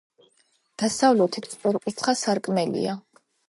დასავლეთით სწორკუთხა სარკმელია.